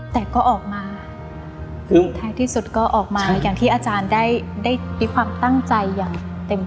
แต่ก็ออกมาท้ายที่สุดก็ออกมาอย่างที่อาจารย์ได้มีความตั้งใจอย่างเต็ม